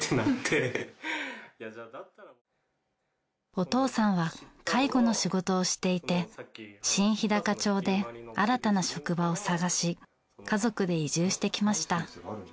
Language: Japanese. お父さんは介護の仕事をしていて新ひだか町で新たな職場を探し家族で移住してきました。